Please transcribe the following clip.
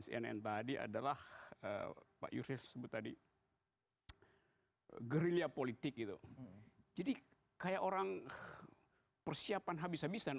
cnn tadi adalah pak yusuf sebut tadi gerilya politik itu jadi kayak orang persiapan habis habisan